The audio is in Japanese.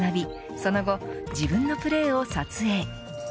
その後、自分のプレーを撮影。